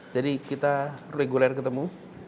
jadi kita reguler ketemu